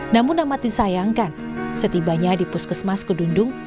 namun amat disayangkan setibanya di puskesmas kedundung